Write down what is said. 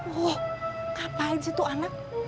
wah ngapain sih itu anak